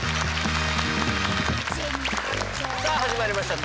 さあ始まりました